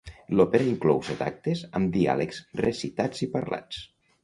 L'òpera inclou set actes amb diàlegs recitats i parlats.